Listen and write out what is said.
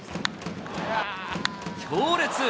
強烈。